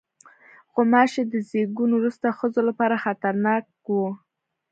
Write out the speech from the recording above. غوماشې د زیږون وروسته ښځو لپاره خطرناک وي.